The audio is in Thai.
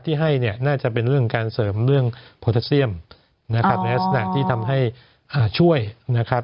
ที่ให้เนี่ยน่าจะเป็นเรื่องการเสริมเรื่องโพตาเซียมนะครับในลักษณะที่ทำให้ช่วยนะครับ